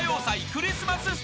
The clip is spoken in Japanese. クリスマス